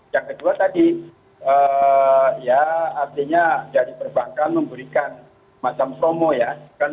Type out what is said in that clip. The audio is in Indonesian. yang kedua tadi ya artinya dari perbankan memberikan macam promo ya